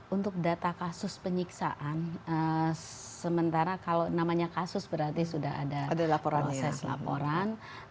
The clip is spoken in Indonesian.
untuk data kasus penyiksaan sementara kalau namanya kasus berarti sudah ada proses laporan